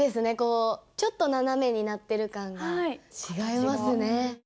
ちょっと斜めになってる感が違いますね。